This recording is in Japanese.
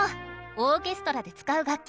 オーケストラで使う楽器